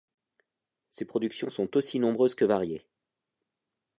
Ses productions sont aussi nombreuses que variées.